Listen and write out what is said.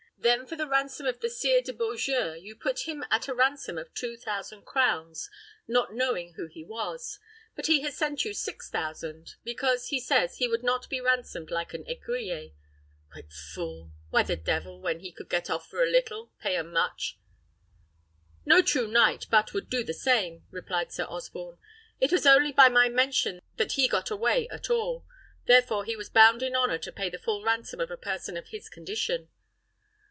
Then for the ransom of the Sire de Beaujeu: you put him at a ransom of two thousand crowns, not knowing who he was, but he has sent you six thousand; because, he says, he would not be ransomed like an écuyer. Creat fool! Why the devil, when he could get off for a little, pay a much?" "No true knight but would do the same," replied Sir Osborne. "It was only by my permission that he got away at all: therefore he was bound in honour to pay the full ransom of a person of his condition."